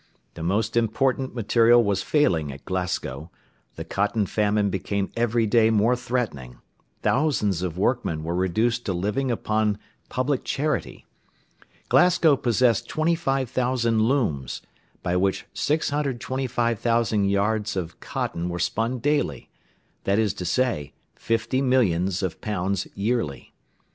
The most important material was failing at Glasgow, the cotton famine became every day more threatening, thousands of workmen were reduced to living upon public charity. Glasgow possessed 25,000 looms, by which 625,000 yards of cotton were spun daily; that is to say, fifty millions of pounds yearly.